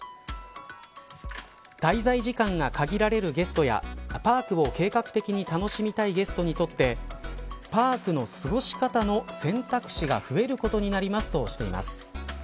滞在時間が限られるゲストやパークを計画的に楽しみたいゲストにとってパークの過ごし方の選択肢が増えることになりますとしています。